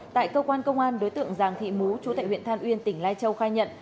tại cơ quan công an đối tượng giàng thị mú chú tại huyện than uyên tỉnh lai châu khai nhận